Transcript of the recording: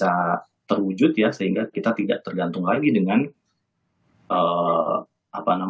dan akhirnya khususnya untuk tergantung dengan mengenai automatik energi